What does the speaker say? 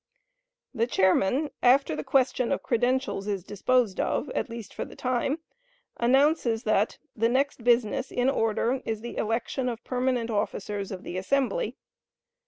The chairman, after the question of credentials is disposed of, at least for the time, announces that "The next business in order is the election of permanent officers of the assembly."